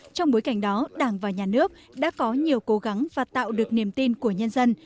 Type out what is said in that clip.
trong bối cảnh đó đảng và nhà nước đã có nhiều cố gắng và tạo được niềm tin của nhân dân